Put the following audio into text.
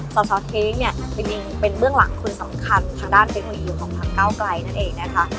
สสเท้งเนี่ยเป็นเบื้องหลังคนสำคัญทางด้านเทคโนโลยีของทางก้าวไกลนั่นเองนะคะ